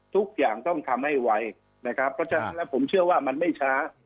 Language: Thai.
ทุกอย่างต้องทำให้ไวนะครับเพราะฉะนั้นแล้วผมเชื่อว่ามันไม่ช้า